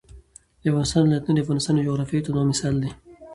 د افغانستان ولايتونه د افغانستان د جغرافیوي تنوع مثال دی.